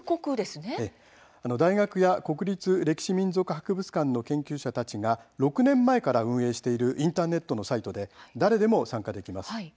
大学や国立民族博物館の研究者たちが６年前から運営しているインターネットのサイトで誰でも参加できます。